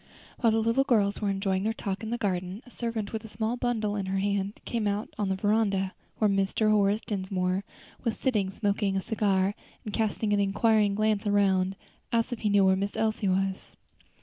While the little girls were enjoying their talk in the garden, a servant with a small bundle in her hand came out on the veranda, where Mr. Horace Dinsmore was sitting smoking a cigar, and, casting an inquiring glance around, asked if he knew where Miss Elsie was?